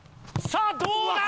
さあどうだ？